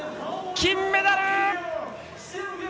金メダル！